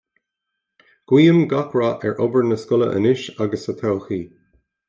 Guím gach rath ar obair na scoile anois agus sa todhchaí.